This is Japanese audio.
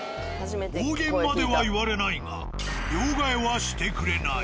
暴言までは言われないが両替はしてくれない。